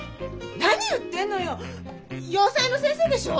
何言ってんのよ洋裁の先生でしょ？